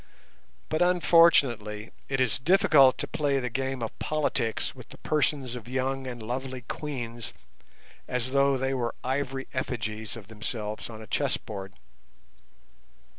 But unfortunately it is difficult to play the game of politics with the persons of young and lovely queens as though they were ivory effigies of themselves on a chessboard.